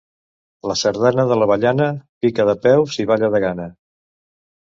La sardana de l'avellana: pica de peus i balla de gana.